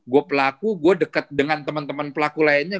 gue pelaku gue deket dengan temen temen pelaku lainnya